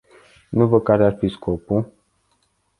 Nu văd care ar fi scopul.